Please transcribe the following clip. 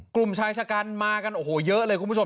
กลุ่มชายชะกันมากันโอ้โหเยอะเลยคุณผู้ชม